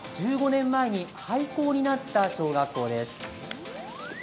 １５年前に廃校になった小学校です。